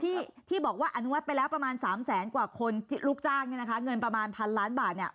ที่ที่บอกว่าอนุมัติไปแล้วประมาณสามแสนกว่าคนที่ลูกจ้างเนี่ยนะคะเงินประมาณพันล้านบาทเนี่ย